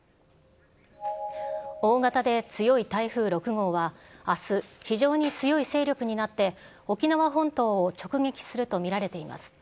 大型で強い台風６号は、あす、非常に強い勢力になって沖縄本島を直撃すると見られています。